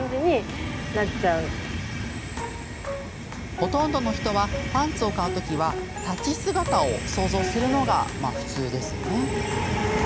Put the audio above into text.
ほとんどの人はパンツを買うときは立ち姿を想像するのが普通。